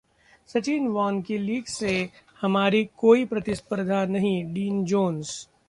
सचिन-वॉर्न की लीग से हमारी कोई प्रतिस्पर्धा नहीं: डीन जोंस